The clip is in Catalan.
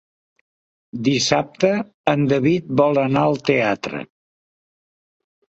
Dissabte en David vol anar al teatre.